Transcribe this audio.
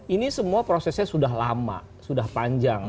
ini semua prosesnya sudah lama sudah panjang